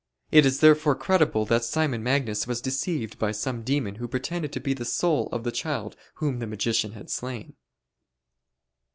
It is therefore credible that Simon Magus was deceived by some demon who pretended to be the soul of the child whom the magician had slain.